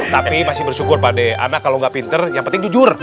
tapi masih bersyukur pak de anak kalau nggak pintar yang penting jujur